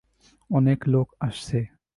অনেক লোক আসছে।